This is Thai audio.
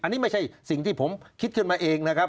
อันนี้ไม่ใช่สิ่งที่ผมคิดขึ้นมาเองนะครับ